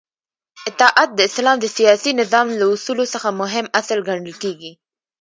اطاعت د اسلام د سیاسی نظام له اصولو څخه مهم اصل ګڼل کیږی